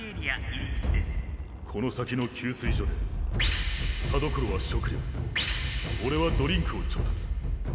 この先の給水所で田所は食料オレはドリンクを調達。